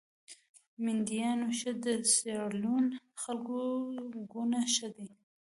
د مینډیانو ښه د سیریلیون د خلکو ګوند ښه دي.